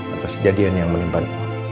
atas kejadian yang menimpan